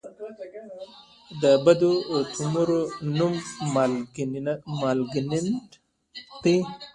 د بد تومور نوم مالېګننټ دی.